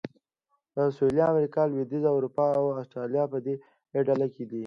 سویلي امریکا، لوېدیځه اروپا او اسټرالیا په دې ډله کې دي.